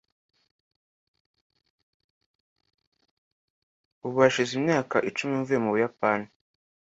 Ubu hashize imyaka icumi mvuye mu Buyapani.